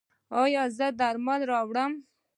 ایا زه درمل راوړم؟